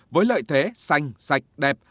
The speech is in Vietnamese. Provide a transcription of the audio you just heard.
với lợi thế xanh sạch đẹp